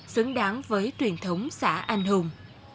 xứng đáng với truyền thống xã anh hùng